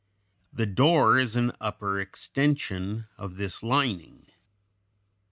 The door is an upper extension of this lining.